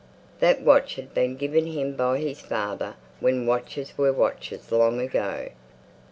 That watch had been given him by his father when watches were watches long ago.